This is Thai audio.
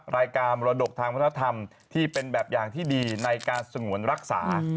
รายการมรดกทางวัฒนธรรมที่เป็นแบบอย่างที่ดีในการสงวนรักษา